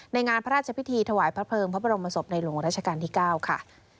งานพระราชพิธีถวายพระเพลิงพระบรมศพในหลวงราชการที่๙ค่ะ